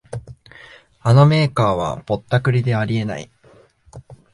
あのメーカーはぼったくりであり得ない